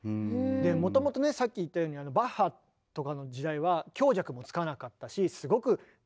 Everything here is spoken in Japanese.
でもともとねさっき言ったようにバッハとかの時代は強弱もつかなかったしすごく鍵盤も狭かったんですね。